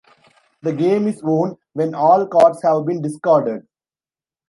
The game is won when all cards have been discarded.